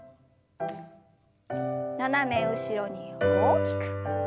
斜め後ろに大きく。